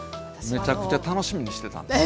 めちゃくちゃ楽しみにしてたんですよ。